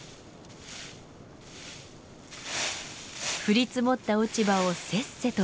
降り積もった落ち葉をせっせとかき集めます。